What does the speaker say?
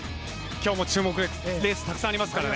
今日も注目レースがたくさんありますからね。